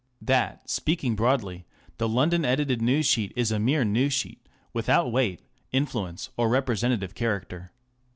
That, speaking broadly, the London edited news sheet is a mere news sheet, without weight, influence, or repre sentative character.